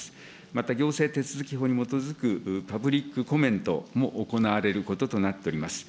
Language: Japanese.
また行政手続法に基づくパブリックコメントも行われることとなっております。